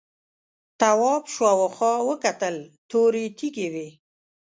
تواب شاوخوا وکتل تورې تیږې وې.